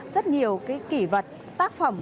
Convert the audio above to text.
rất nhiều cái kỷ vật tác phẩm